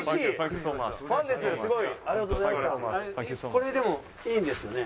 これでもいいんですよね？